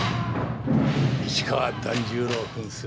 市川團十郎扮する